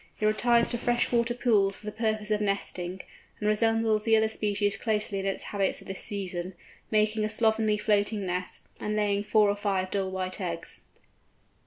It retires to fresh water pools for the purpose of nesting, and resembles the other species closely in its habits at this season, making a slovenly floating nest, and laying four or five dull white eggs.